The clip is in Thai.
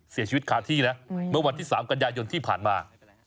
เสียชีวิตคาที่นะเมื่อวันที่๓กันยายนที่ผ่านมา